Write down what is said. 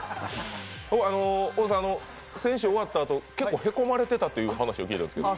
大津さん、先週、終わったあと、結構へこまれていたという話を聞いたんですけど。